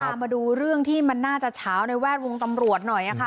มาดูเรื่องที่มันน่าจะเฉาในแวดวงตำรวจหน่อยค่ะ